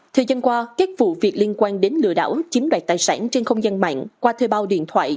thời gian qua các vụ việc liên quan đến lừa đảo chiếm đoạt tài sản trên không gian mạng qua thuê bao điện thoại